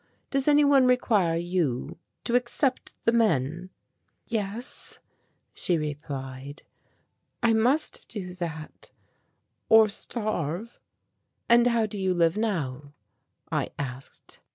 Does any one require you to accept the men?" "Yes," she replied. "I must do that or starve." "And how do you live now?" I asked.